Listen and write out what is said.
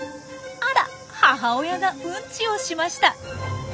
あら母親がウンチをしました。